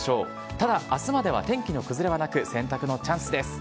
ただあすまでは天気の崩れはなく、洗濯のチャンスです。